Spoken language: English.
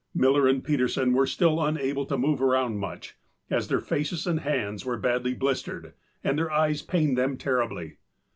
Miller and Peterson were still unable to move around much, as their faces and hands were badly blistered and their eyes pained them terribly.